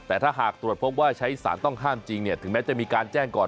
แต่ถ้าหากตรวจพบว่าใช้สารต้องห้ามจริงถึงแม้จะมีการแจ้งก่อน